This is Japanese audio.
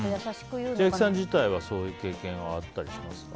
千秋さん自体はそういう経験あったりしますか？